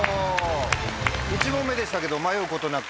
１問目でしたけど迷うことなく？